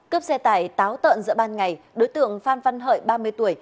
cướp xe tải táo tợn giữa ban ngày đối tượng phan văn hợi ba mươi tuổi